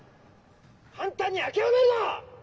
「簡単に諦めるな！